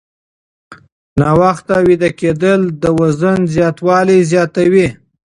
ناوخته ویده کېدل د وزن زیاتوالی زیاتوي.